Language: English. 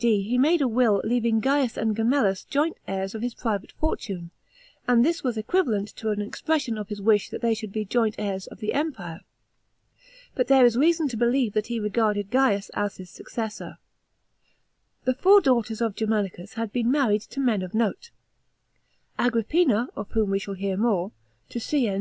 D. he made a will leaving Gaius and Gemellus joint heirs of his private fortune, and this was equivalent to an expression of his wish that they should be joint heirs of the Empire. But there is reason to believe that he regarded Gaius as his successor. The four daughters of Germanicus had been married to men of note; Agrippina, of whom we shall hear more, to Cn.